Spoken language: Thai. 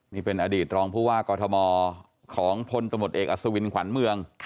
นี่เป็นอดีตรองผู้ว่ากอทมของพลตำรวจเอกอัศวินขวัญเมือง